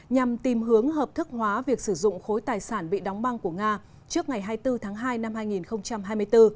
nhằm tìm hướng hợp thức hóa việc sử dụng khối tài sản bị đóng băng của nga trước ngày hai mươi bốn tháng hai năm hai nghìn hai mươi bốn